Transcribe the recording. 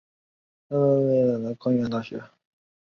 编制单位中国科学院大学